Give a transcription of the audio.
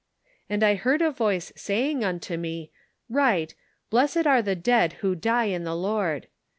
" And I heard a voice saying unto me, ' Write, blessed are the dead who die in the Lord.'